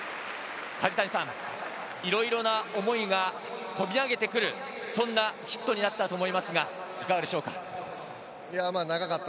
梶谷さん、いろいろな思いがこみあげてくる、そんなヒットになったと思いますが、いかがでしょうか？